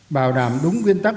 bảo đảm đúng nguyên tắc